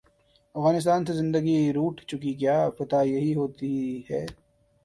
افغانستان سے زندگی روٹھ چکی کیا فتح یہی ہو تی ہے؟